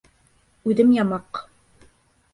Үҙем ямаҡ.